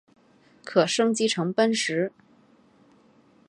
可升级成奔石。